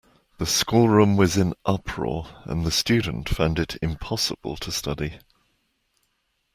The schoolroom was in uproar, and the student found it impossible to study